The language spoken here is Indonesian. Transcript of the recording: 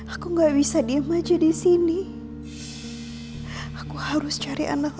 aku nggak bisa diam aja di sini aku harus cari anak